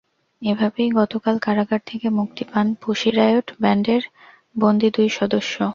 এভাবেই গতকাল কারাগার থেকে মুক্তি পান পুশি রায়ট ব্যান্ডের বন্দী দুই সদস্য।